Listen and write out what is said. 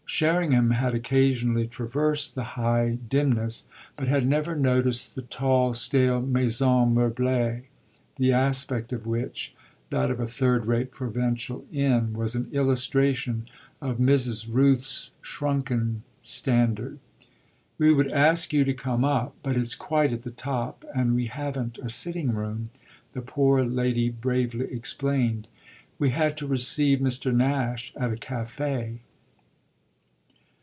Sherringham had occasionally traversed the high dimness, but had never noticed the tall, stale maison meublée, the aspect of which, that of a third rate provincial inn, was an illustration of Mrs. Rooth's shrunken standard. "We would ask you to come up, but it's quite at the top and we haven't a sitting room," the poor lady bravely explained. "We had to receive Mr. Nash at a café."